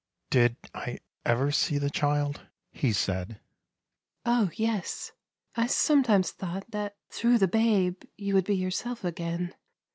" Did I ever see the child? " he said. " Oh, yes, I sometimes thought that through the babe you would be yourself again.